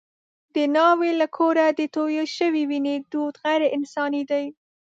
د ناوې له کوره د تویې شوې وینې دود غیر انساني دی.